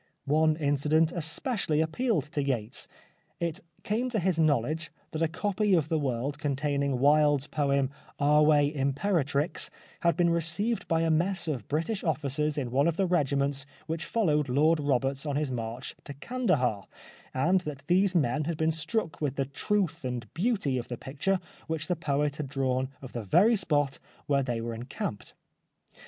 One incident especially appealed to Yates. It came to his knowledge that a copy of The World containing Wilde's poem Ave Imperatrix had been received by a mess of British officers in one of the regiments which followed Lord Roberts on his march to Kandahar, and that these men had been struck with the truth and beauty of the picture which the poet had drawn of the very spot where they were encamped.